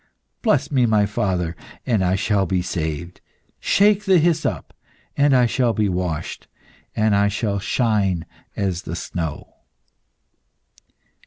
Bless me, my father, and I shall be saved; shake the hyssop, and I shall be washed, and I shall shine as the snow."